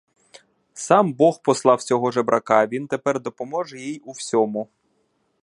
Сам бог послав цього жебрака — він тепер допоможе їй у всьому.